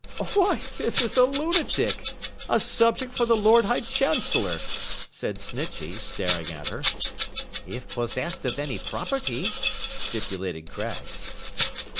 'Why, this is a lunatic! a subject for the Lord High Chancellor!' said Snitchey, staring at her. —'If possessed of any property,' stipulated Craggs.